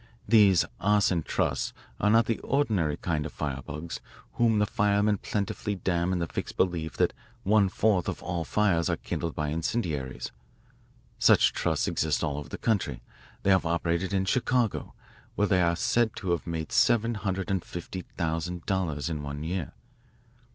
These arson trusts are not the ordinary kind of firebugs whom the firemen plentifully damn in the fixed belief that one fourth of all fires are kindled by incendiaries. Such 'trusts' exist all over the country. They have operated in Chicago, where they are said to have made seven hundred and fifty thousand dollars in one year.